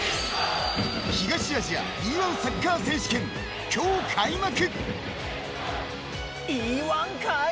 東アジアＥ‐１サッカー選手権今日開幕！